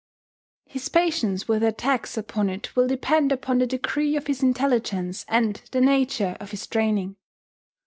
His patience with attacks upon it will depend upon the degree of his intelligence and the nature of his training.